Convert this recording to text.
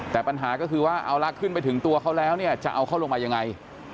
แต่ปัญหาก็คือว่าเอาละขึ้นไปถึงตัวเขาแล้วเนี่ยจะเอาเขาลงมายังไง